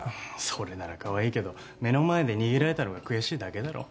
それならカワイイけど目の前で逃げられたのが悔しいだけだろ。